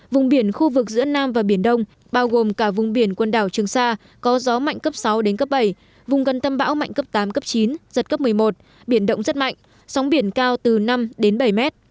vùng biển khu vực giữa nam và biển đông bao gồm cả vùng biển quần đảo trường sa có gió mạnh cấp sáu đến cấp bảy vùng gần tâm bão mạnh cấp tám cấp chín giật cấp một mươi một biển động rất mạnh sóng biển cao từ năm đến bảy mét